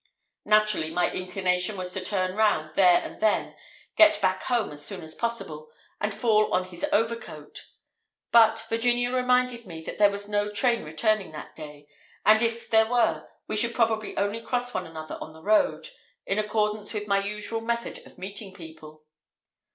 Naturally, my inclination was to turn round there and then, get back home as soon as possible, and fall on his overcoat; but Virginia reminded me that there was no train returning that day, and if there were, we should probably only cross one another on the road—in accordance with my usual method of meeting people.